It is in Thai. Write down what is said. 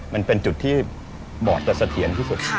มันเป็นจุดที่บอดจะเสถียรที่สุด